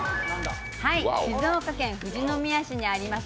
静岡県富士宮市にあります